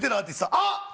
あっ。